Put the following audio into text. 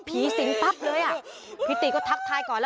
พี่ติก็ทักทายก่อนแล้ว